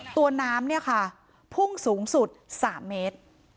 ตัวน้ำเนี่ยค่ะพุ่งสูงสุด๓เมตร